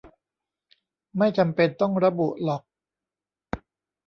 ไม่จำเป็นต้องระบุหรอก